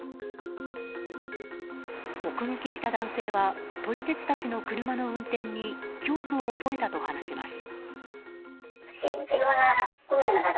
目撃した男性は撮り鉄たちの車の運転に恐怖を覚えたと話します。